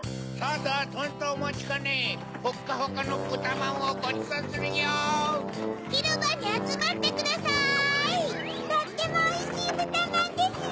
とってもおいしいぶたまんですよ！